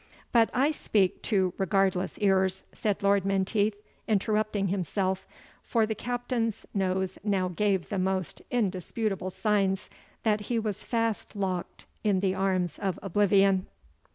But I speak to regardless ears," said Lord Menteith, interrupting himself, for the Captain's nose now gave the most indisputable signs that he was fast locked in the arms of oblivion.